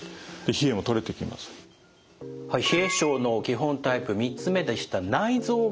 冷え症の基本タイプ３つ目でした内臓型。